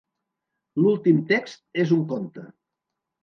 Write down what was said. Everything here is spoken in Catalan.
L'últim text és un conte.